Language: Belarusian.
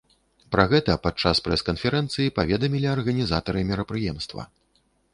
Пра гэта падчас прэс-канферэнцыі паведамілі арганізатары мерапрыемства.